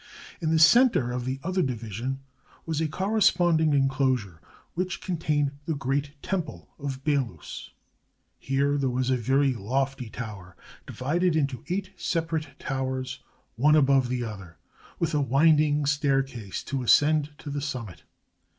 In the center of the other division was a corresponding inclos ure, which contained the great temple of Belus. Here there was a very lofty tower, divided into eight separate towers, one above another, with a winding staircase to ascend to the summit.